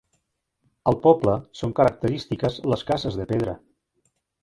Al poble són característiques les cases de pedra.